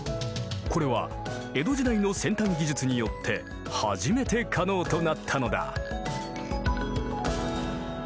これは江戸時代の先端技術によって初めて可能となったのだ。